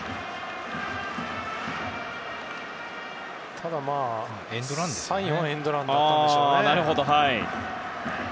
ただ、サインはエンドランだったんでしょうね。